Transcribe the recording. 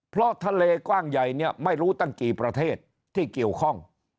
เพราะทะเลกว้างใหญ่เนี่ยไม่รู้ตั้งกี่ประเทศที่เกี่ยวข้อง